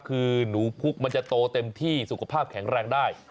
คือหนูพุกมันจะโตเต็มที่สุขภาพแข็งแรงได้